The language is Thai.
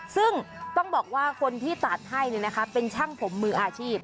ซึ่งต้องบอกว่าคนที่ตัดให้เป็นช่างผมมืออาชีพ